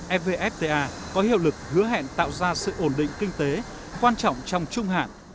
evfta có hiệu lực hứa hẹn tạo ra sự ổn định kinh tế quan trọng trong trung hạn